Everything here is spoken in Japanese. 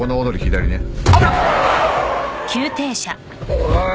おい。